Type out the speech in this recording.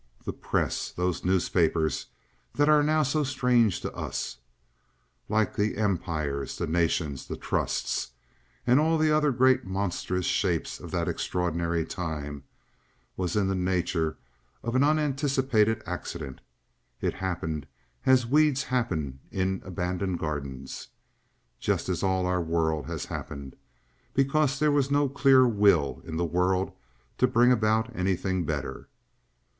The press—those newspapers that are now so strange to us—like the "Empires," the "Nations," the Trusts, and all the other great monstrous shapes of that extraordinary time—was in the nature of an unanticipated accident. It had happened, as weeds happen in abandoned gardens, just as all our world has happened,—because there was no clear Will in the world to bring about anything better.